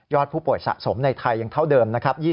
ยอดผู้ป่วยสะสมในไทยอย่างเท่าเดิม